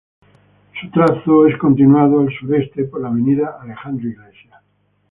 Su trazo es continuado al suroeste por la avenida Alejandro Iglesias.